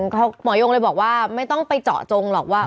หมอยงเลยบอกว่าไม่ต้องไปเจาะจงหรอกว่า